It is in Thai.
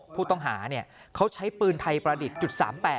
ผู้ต้องหาเนี่ยเขาใช้ปืนไทยประดิษฐ์๓๘